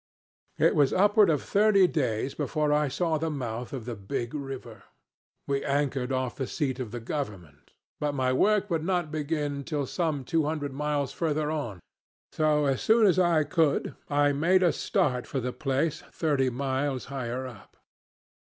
"It was upward of thirty days before I saw the mouth of the big river. We anchored off the seat of the government. But my work would not begin till some two hundred miles farther on. So as soon as I could I made a start for a place thirty miles higher up.